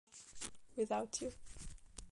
Without You